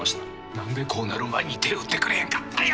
何でこうなる前に手打ってくれんかったんや。